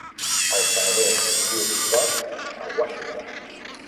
El senador Hugh Scott a Washington.